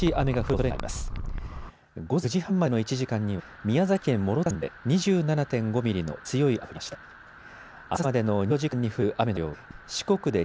午前９時半までの１時間には宮崎県諸塚村で２７．５ミリの強い雨が降りました。